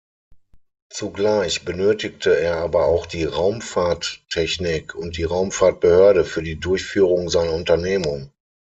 Zugleich benötigte er aber auch die Raumfahrttechnik und Raumfahrtbehörde für die Durchführung seiner Unternehmung.